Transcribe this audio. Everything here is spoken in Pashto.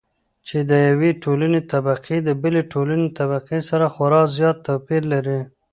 چې د يوې ټولنې طبقې د بلې ټولنې طبقې سره خورا زيات توپېر لري.